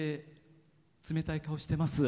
冷たい顔してます。